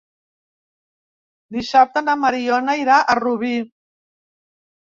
Dissabte na Mariona irà a Rubí.